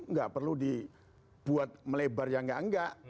nggak perlu dibuat melebar yang nggak nggak